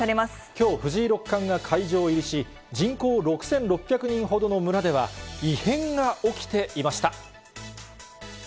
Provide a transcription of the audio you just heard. きょう、藤井六冠が会場入りし、人口６６００人ほどの村では、異変が起きていました。